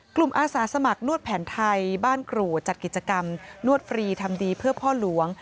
อาสาสมัครนวดแผนไทยบ้านกรูดจัดกิจกรรมนวดฟรีทำดีเพื่อพ่อหลวง